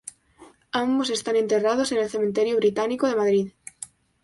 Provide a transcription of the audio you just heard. Ambos están enterrados en el cementerio Británico de Madrid.